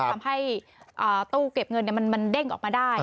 ทำให้ตู้เก็บเงินมันเด้งออกมาได้